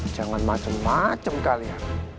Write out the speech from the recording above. jangan macem macem kalian